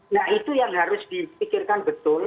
nah itu yang harus dipikirkan betul